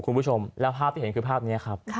คุณผู้ชมแล้วภาพที่เห็นคือภาพนี้ครับ